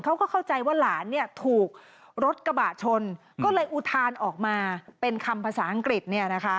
เขาก็เข้าใจว่าหลานเนี่ยถูกรถกระบะชนก็เลยอุทานออกมาเป็นคำภาษาอังกฤษเนี่ยนะคะ